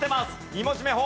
２文字目「ほ」。